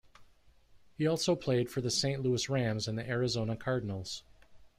He also played for the Saint Louis Rams and the Arizona Cardinals.